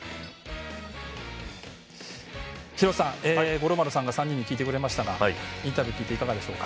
五郎丸さんが３人に聞いてくれましたがインタビュー聞いていかがでしょう？